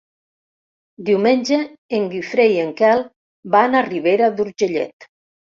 Diumenge en Guifré i en Quel van a Ribera d'Urgellet.